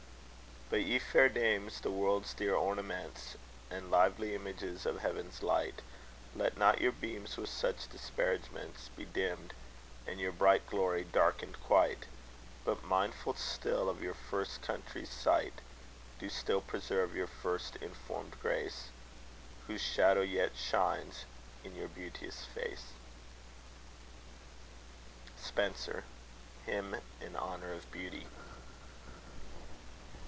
But ye, fair dames, the world's dear ornaments, And lively images of heaven's light, Let not your beams with such disparagements Be dimmed, and your bright glory darkened quite; But, mindful still of your first country's sight, Do still preserve your first informed grace, Whose shadow yet shines in your beauteous face. SPENSER. Hymn in Honour of Beauty.